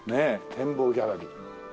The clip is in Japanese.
「展望ギャラリー」。